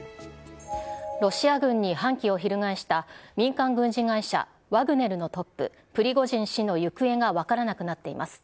ロシア軍に反旗を翻した民間軍事会社、ワグネルのトップ、プリゴジン氏の行方が分からなくなっています。